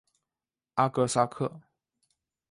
阿格萨克。